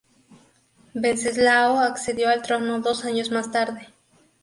Venceslao accedió al trono dos años más tarde.